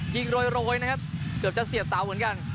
ยิงโรยโรยนะครับเกือบจะเสียบสาวเหมือนกัน